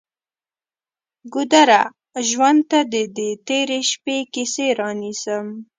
ګودره! ژوند ته دې د تیرې شپې کیسې رانیسم